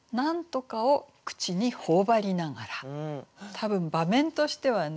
多分場面としてはね